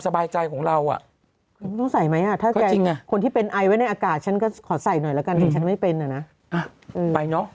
แบบติวเขียวหรอ